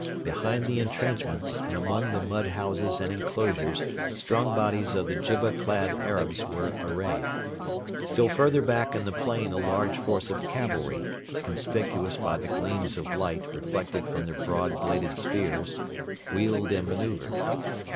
Behind the entrenchments and among the mud houses and enclosures strong bodies of the jibba clad Arabs were arrayed. Still further back in the plain a large force of cavalry conspicuous by the gleams of light reflected from their broad bladed spears wheeled and manœuvred.